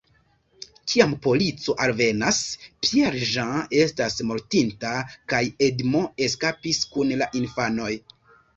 Kiam polico alvenas, Pierre-Jean estas mortinta kaj Edmond eskapis kun la infanoj.